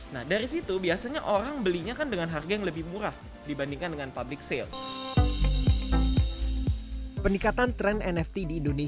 nah dari situ biasanya orang belinya kan dengan harga yang lebih murah dibandingkan dengan public sale